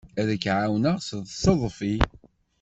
Ad k-ɛawneɣ s teḍfi.